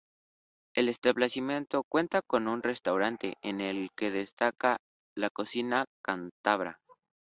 El establecimiento cuenta con un restaurante, en el que destaca la cocina cántabra.